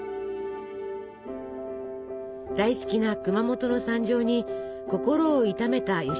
大好きな熊本の惨状に心を痛めた吉崎さん。